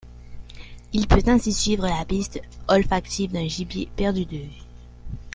Il peut ainsi suivre la piste olfactive d'un gibier perdu de vue.